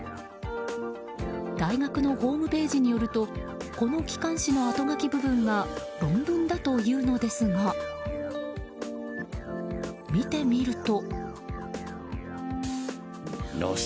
大学のホームページによるとこの機関誌のあとがき部分が論文だというのですが見てみると。